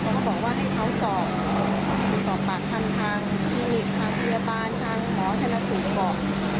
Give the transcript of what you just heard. เขาก็บอกว่าให้เขาสอบสอบปากทางทีมิตทางพยาบาลทางหมอชนะศูนย์บอก